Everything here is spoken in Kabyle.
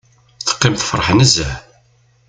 Teqqim tefṛeḥ nezzeh.